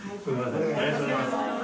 ありがとうございます。